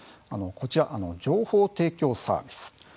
こちら、情報提供サービス。